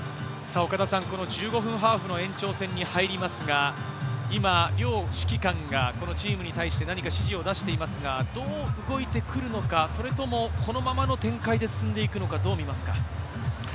１５分ハーフの延長戦に入りますが、今、両指揮官がチームに対して何か指示を出していますが、どう動いてくるのか、それともこのままの展開で進んでいくのか、どう見ますか？